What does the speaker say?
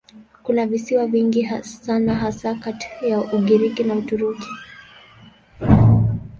Kuna visiwa vingi sana hasa kati ya Ugiriki na Uturuki.